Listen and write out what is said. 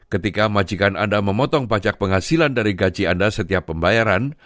ketika majikan anda memotong pajak penghasilan dari gaji anda setiap pembayaran